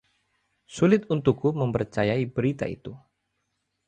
Sulit untukku mempercayai berita itu.